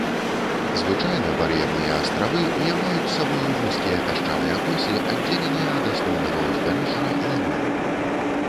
Звычайна бар'ерныя астравы ўяўляюць сабою вузкія пясчаныя косы, аддзеленыя ад асноўнага ўзбярэжжа лагунамі.